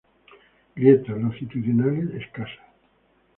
Grietas longitudinales escasas.